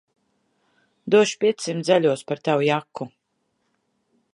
Došu piecsimt zaļos par tavu jaku.